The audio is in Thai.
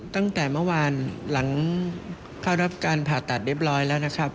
ตั้งแต่เมื่อวานหลังเข้ารับการผ่าตัดเรียบร้อยแล้วนะครับ